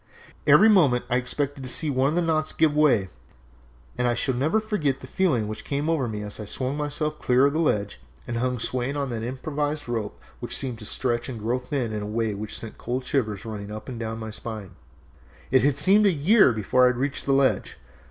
Every moment I expected one of the knots to give way, and I shall never forget the feeling which came over me as I swung myself clear of the ledge and hung swaying on that improvised rope which seemed to stretch and grow thin in a way which sent cold shivers running up and down my spine. It seemed a year before I reached the ledge.